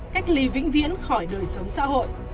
cách ly vĩnh viễn khỏi đời sống xã hội